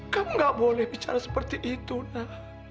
kamu gak boleh bicara seperti itu nak